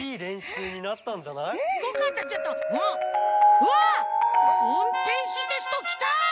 うんてんしテストきた！